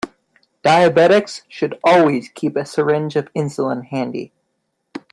Diabetics should always keep a syringe of insulin handy.